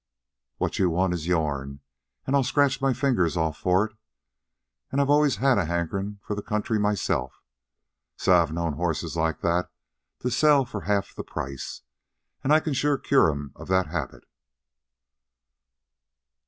"What you want is yourn, an' I'll scratch my fingers off for it. An' I've always had a hankerin' for the country myself. Say! I've known horses like that to sell for half the price, an' I can sure cure 'em of the habit."